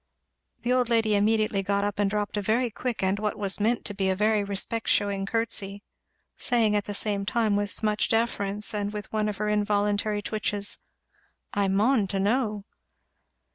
The old lady immediately got up and dropped a very quick and what was meant to be a very respect shewing curtsey, saying at the same time with much deference and with one of her involuntary twitches, "I ''maun' to know!"